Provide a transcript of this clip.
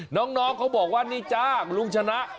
น้องเขาบอกว่านี่จ้างลุงชนะ